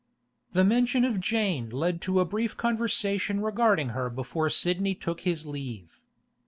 The mention of Jane led to a brief conversation regarding her before Sidney took his leave.